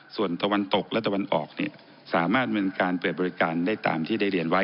ส่วนตะวันตกและตะวันออกเนี่ยสามารถเป็นการเปิดบริการได้ตามที่ได้เรียนไว้